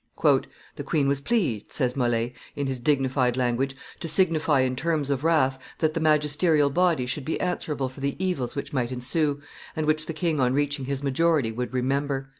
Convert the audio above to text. '" "The queen was pleased," says Mole, in his dignified language, "to signify in terms of wrath that the magisterial body should be answerable for the evils which might ensue, and which the king on reaching his majority would remember."